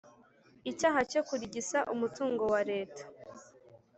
icyaha cyo kurigisa umutungo wa Leta